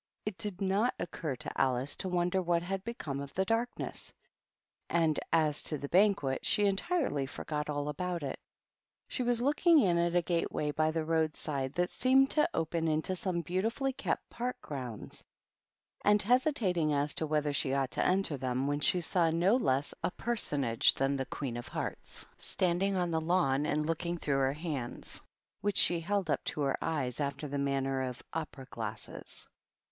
It did not occur to Alice to wonder what had become of the dark ness ; and as to the Banquet, she entirely forgot all about it. She was looking in at a gate way by the roadside that seemed to open into some beautifully kept park grounds, and hesitating as to whether she ought to enter them, when she saw no less a personage than the Queen of Hearts standing on the lawn and looking through her hands, which she held up to her eyes after the manner of opera glasses.